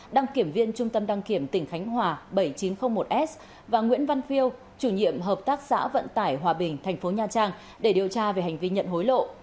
đăng kiểm viên trung tâm đăng kiểm tỉnh khánh hòa bảy nghìn chín trăm linh một s và nguyễn văn phiêu chủ nhiệm hợp tác xã vận tải hòa bình thành phố nha trang để điều tra về hành vi nhận hối lộ